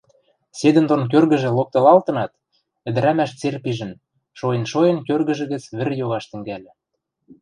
Седӹндон кӧргӹжӹ локтылалтынат, ӹдӹрӓмӓш цер пижӹн: шоэн-шоэн кӧргӹжӹ гӹц вӹр йогаш тӹнгӓльӹ.